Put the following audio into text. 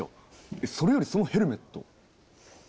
えっそれよりそのヘルメット？